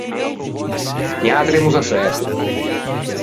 Niatri emmo za fæto.